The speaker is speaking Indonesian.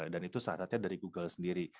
dan itu syaratnya dari google sendiri